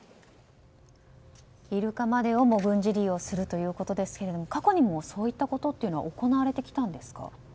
イルカまでをも軍事利用するということですが過去にもそういったことは行われてきたんですか？